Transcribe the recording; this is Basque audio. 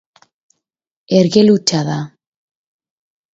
Ergel hutsa da.